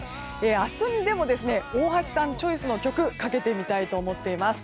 明日にでも大橋さんチョイスの曲かけてみたいと思っています。